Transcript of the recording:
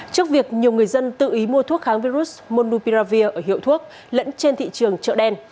trước việc nhiều người dân tự ý mua thuốc kháng virus monupiravir ở hiệu thuốc lẫn trên thị trường chợ đen